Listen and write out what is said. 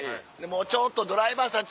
もうちょっとドライバーさん